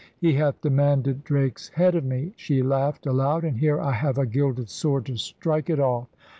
'He hath demanded Drake's head of me, ' she laughed aloud, 'and here I have a gilded sword to strike it off.'